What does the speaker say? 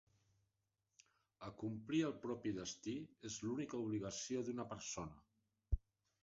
Acomplir el propi destí es l'única obligació d'una persona.